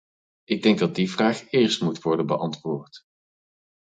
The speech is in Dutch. Ik denk dat die vraag eerst moet worden beantwoord.